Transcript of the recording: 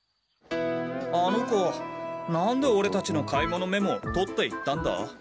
あの子何でオレたちの買い物メモとっていったんだ？